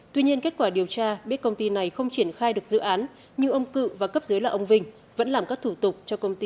tuy nhiên kết quả điều tra biết công ty này không triển khai được dự án nhưng ông cự và cấp dưới là ông vinh vẫn làm các thủ tục cho công ty